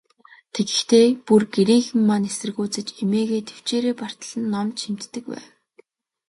Тэгэхдээ, бүр гэрийнхэн маань эсэргүүцэж, эмээгээ тэвчээрээ бартал нь номд шимтдэг байв.